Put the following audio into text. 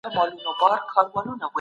سرمایه داري نظام ته د حل لار نسته.